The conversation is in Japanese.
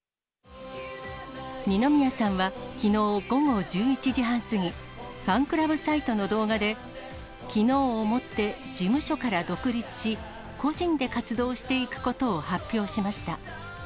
二宮さんはきのう午後１１時半過ぎ、ファンクラブサイトの動画で、きのうをもって事務所から独立し、個人で活動していくことを発表しました。